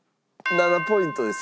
７ポイントです。